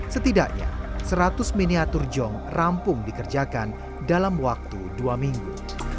setidaknya seratus miniatur jong rampung dikerjakan dalam waktu dua minggu